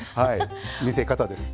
見せ方です。